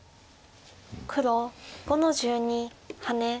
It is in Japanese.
黒５の十二ハネ。